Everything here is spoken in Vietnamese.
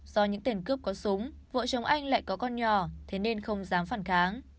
do những tiền cướp có súng vợ chồng anh lại có con nhỏ thế nên không dám phản kháng